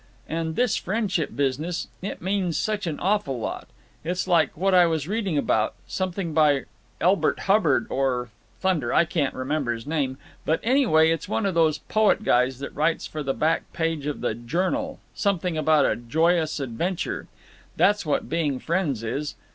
And this friendship business—it means such an awful lot. It's like what I was reading about—something by Elbert Hubbard or—thunder, I can't remember his name, but, anyway, it's one of those poet guys that writes for the back page of the Journal—something about a joyous adventure. That's what being friends is.